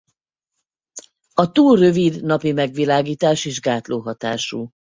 A túl rövid napi megvilágítás is gátló hatású.